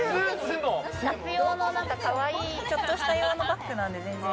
夏用のなんかかわいい、ちょっとした用のバッグなんで、全然。